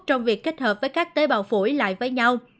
trong việc kết hợp với các tế bào phổi lại với nhau